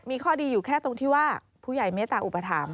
มีข้อดีอยู่แค่ตรงที่ว่าผู้ใหญ่เมตตาอุปถัมภ